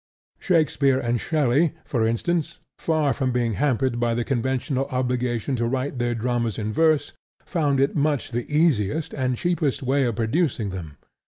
Shakespeare and Shelley, for instance, far from being hampered by the conventional obligation to write their dramas in verse, found it much the easiest and cheapest way of producing them.